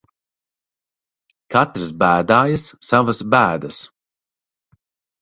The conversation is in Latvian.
Katrs bēdājas savas bēdas.